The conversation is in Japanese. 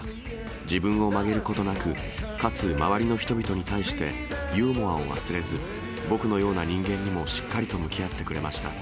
自分を曲げることなく、かつ周りの人々に対してユーモアを忘れず、僕のような人間にもしっかりと向き合ってくれました。